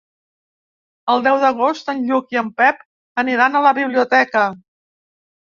El deu d'agost en Lluc i en Pep aniran a la biblioteca.